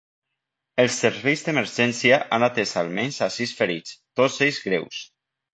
Els serveis d’emergència han atès almenys a sis ferits, tots ells greus.